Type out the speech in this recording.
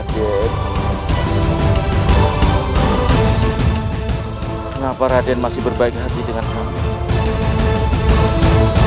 kenapa raden masih berbaik hati dengan allah